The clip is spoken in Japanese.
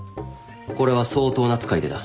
これは相当な使い手だ。